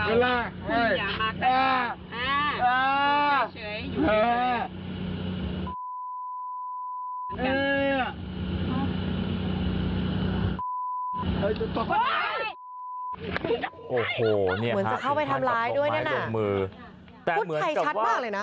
แต่นำเสียงดูเหมือนเมามาว